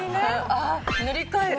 ああ塗り替える？